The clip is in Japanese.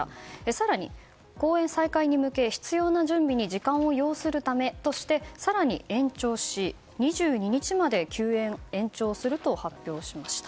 更に公演再開に向け必要な準備に時間を要するためとして更に延長し、２２日まで休演を延長すると発表しました。